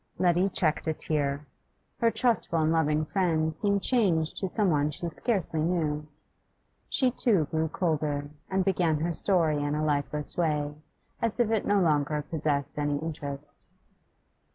Letty checked a tear. Her trustful and loving friend seemed changed to someone she scarcely knew. She too grew colder, and began her story in a lifeless way, as if it no longer possessed any interest.